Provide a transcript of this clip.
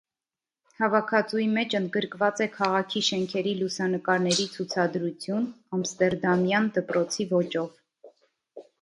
Հավաքածուի մեջ ընդգրկված է քաղաքի շենքերի լուսանկարների ցուցադրություն՝ ամստերդամյան դպրոցի ոճով։